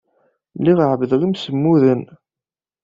Lliɣ ɛebbdeɣ imsemmuden.